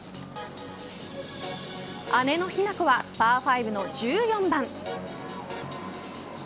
姉の日向子はパー５の１４番。